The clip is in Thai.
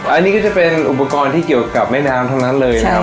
อันนี้ก็จะเป็นอุปกรณ์ที่เกี่ยวกับแม่น้ำทั้งนั้นเลยนะครับ